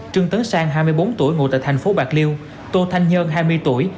trương tấn sang hai mươi bốn tuổi ngụ tại thành phố bạc liêu tô thanh nhơn hai mươi tuổi